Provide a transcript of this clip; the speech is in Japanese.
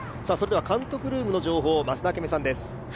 監督ルームの情報、増田明美さんです。